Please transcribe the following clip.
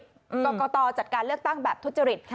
กรกตจัดการเลือกตั้งแบบทุจริต